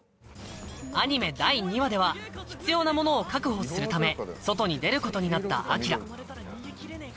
アニメ第２話では必要なものを確保するため外に出ることになった輝。